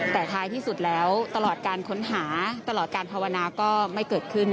แต่ท้ายที่สุดแล้วตลอดการค้นหาตลอดการภาวนาก็ไม่เกิดขึ้น